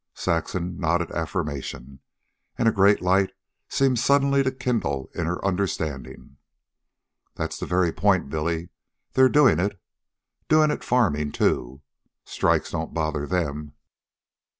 Saxon nodded affirmation, and a great light seemed suddenly to kindle in her understanding. "That's the very point, Billy. They're doing it doing it farming, too. Strikes don't bother THEM."